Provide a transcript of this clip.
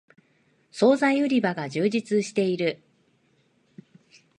そうざい売り場が充実している